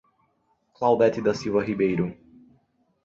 Claudete da Silva Ribeiro